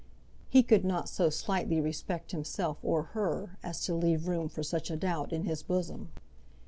He could not so slightly respect himself or her as to leave room for such a doubt in his bosom.